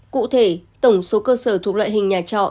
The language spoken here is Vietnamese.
cụ thể tổng số cơ sở thuộc loại hình nhà trọ